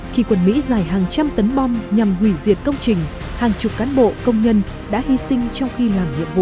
khi quân mỹ dài hàng trăm tấn bom nhằm hủy diệt công trình hàng chục cán bộ công nhân đã hy sinh trong khi làm nhiệm vụ